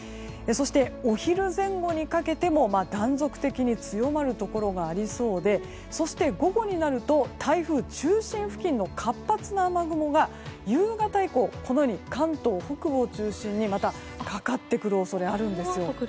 お昼前後にかけても断続的に強まるところがありそうでそして、午後になると台風中心付近の活発な雨雲が夕方以降関東北部を中心にまたかかってくる恐れがあるんです。